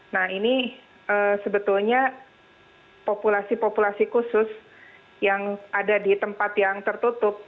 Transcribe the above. nah ini sebetulnya populasi populasi khusus yang ada di tempat yang tertutup